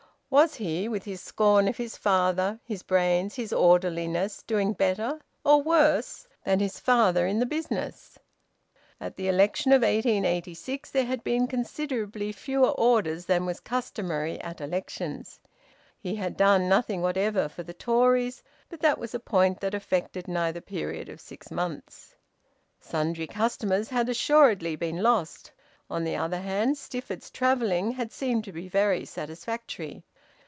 Was he, with his scorn of his father, his brains, his orderliness, doing better or worse than his father in the business? At the election of 1886, there had been considerably fewer orders than was customary at elections; he had done nothing whatever for the Tories, but that was a point that affected neither period of six months. Sundry customers had assuredly been lost; on the other hand, Stifford's travelling had seemed to be very satisfactory.